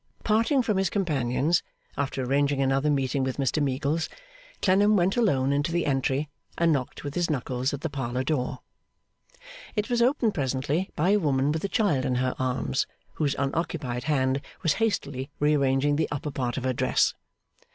Parting from his companions, after arranging another meeting with Mr Meagles, Clennam went alone into the entry, and knocked with his knuckles at the parlour door. It was opened presently by a woman with a child in her arms, whose unoccupied hand was hastily rearranging the upper part of her dress.